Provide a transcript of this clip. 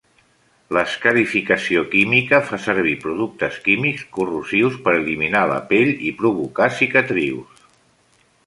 L'escarificació química fa servir productes químics corrosius per eliminar la pell i provocar cicatrius.